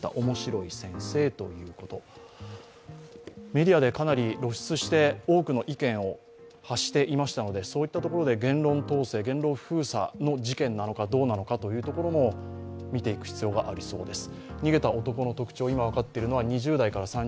メディアでかなり露出して多くの意見を発していましたのでそういったところで言論統制、言論封鎖の事件なのかどうなのかというところも見ていく必要がありそうです。